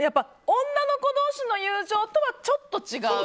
女の子同士の友情とはちょっと違う。